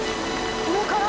上から？